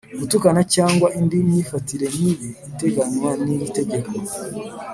Gutukana cyangwa indi myifatire mibi iteganywa n’iri tegeko